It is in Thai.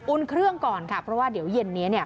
อุ้นเครื่องก่อนค่ะเพราะว่าเดี๋ยวเย็นนี้